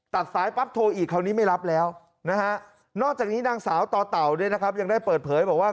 ตัดสายปั๊บโทรอีกคราวนี้ไม่รับแล้วนะฮะนอกจากนี้นางสาวต่อเต่าเนี่ยนะครับยังได้เปิดเผยบอกว่า